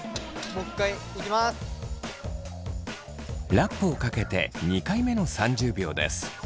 ラップをかけて２回目の３０秒です。